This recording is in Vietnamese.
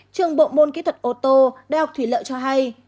trường bộ môn kỹ thuật ô tô đại học thủy lợi cho hay